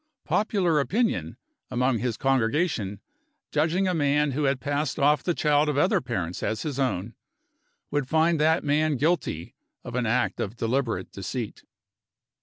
Popular opinion, among his congregation, judging a man who had passed off the child of other parents as his own, would find that man guilty of an act of deliberate deceit.